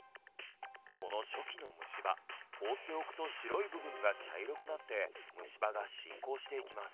この初期のむし歯放っておくと白い部分が茶色くなってむし歯が進行していきます。